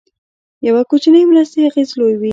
د یو کوچنۍ مرستې اغېز لوی وي.